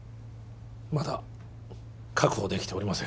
まだ確保できておりません